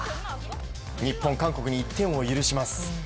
日本、韓国に１点を許します。